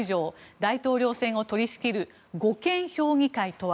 大統領選を取り仕切る護憲評議会とは。